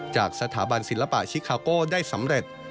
จากสถาบันศิลปะชิคาโก้ได้สำเร็จ